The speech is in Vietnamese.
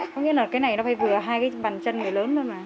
có nghĩa là cái này nó phải vừa hai cái bàn chân mới lớn thôi mà